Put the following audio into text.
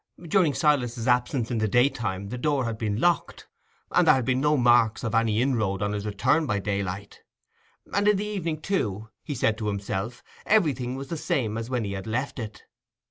During Silas's absence in the daytime the door had been locked, and there had been no marks of any inroad on his return by daylight. And in the evening, too, he said to himself, everything was the same as when he had left it.